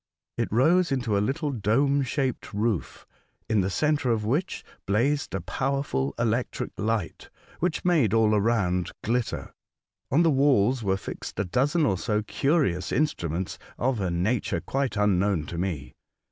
It rose into a little dome shaped roof, in the centre of which blazed a powerful electric light, which made all around glitter. On the walls were fixed a dozen or so curious instruments of a nature quite unknown to me.